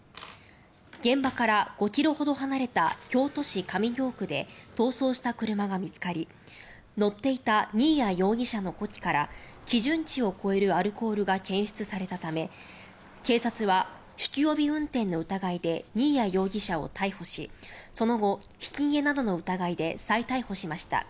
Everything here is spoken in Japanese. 現場から５ｋｍほど離れた京都市上京区で逃走した車が見つかり乗っていた新谷容疑者の呼気から基準値を超えるアルコールが検出されたため警察は酒気帯び運転の疑いで新谷容疑者を逮捕しその後、ひき逃げなどの疑いで再逮捕しました。